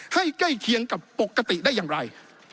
ใกล้เคียงกับปกติได้อย่างไร